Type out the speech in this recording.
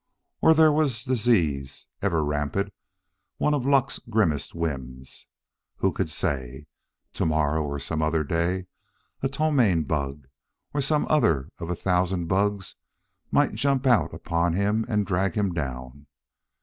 Or there was disease, ever rampant, one of Luck's grimmest whims. Who could say? To morrow, or some other day, a ptomaine bug, or some other of a thousand bugs, might jump out upon him and drag him down.